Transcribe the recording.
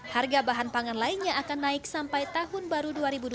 harga bahan pangan lainnya akan naik sampai tahun baru dua ribu dua puluh